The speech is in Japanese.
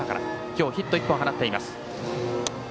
今日、ヒット１本放っています。